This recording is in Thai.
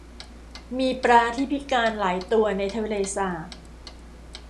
มีปลาที่พิการหลายตัวในทะเลสาบ